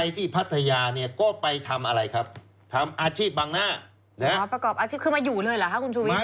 ทีนี้ไปที่พัทยา